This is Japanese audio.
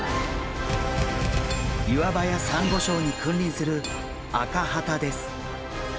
岩場やサンゴ礁に君臨するアカハタです。